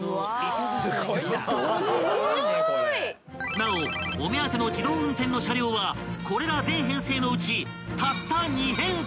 ［なおお目当ての自動運転の車両はこれら全編成のうちたった２編成］